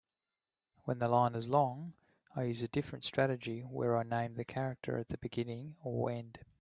When the line is long, I use a different strategy where I name the character at the beginning or end.